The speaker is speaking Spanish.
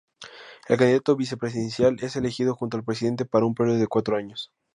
El candidato vicepresidencial es elegido junto al presidente para un periodo de cuatro años.